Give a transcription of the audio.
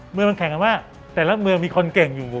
เมืองมันแข่งกันว่าแต่ละเมืองมีคนเก่งอยู่